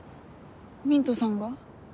ミントさんが？